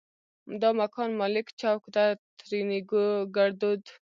دا مکان مالک چوک ده؛ ترينو ګړدود